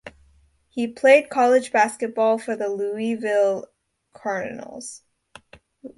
He played college basketball for the Louisville Cardinals.